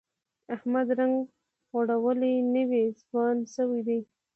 احمد رنګ غوړولی، نوی ځوان شوی دی.